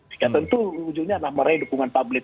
dan tentu ujungnya meraih dukungan publik